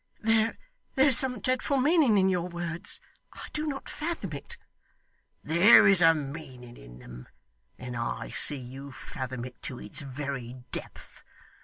'There is some dreadful meaning in your words. I do not fathom it.' 'There is a meaning in them, and I see you fathom it to its very depth.